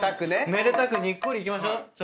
めでたくにっこりいきましょう。